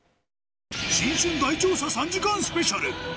新春大調査３時間スペシャル。